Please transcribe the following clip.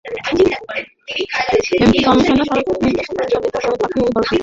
MP কমিশনারের সরাসরি নির্দেশে পরিচালিত হয়ে থাকে এই দলটি।